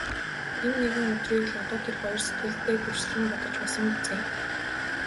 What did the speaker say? Энэ нэгэн өдрийг л одоо тэр хоёр сэтгэлдээ дүрслэн бодож байсан биз ээ.